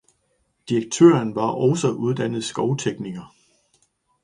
Direktøren var også uddannet skovtekniker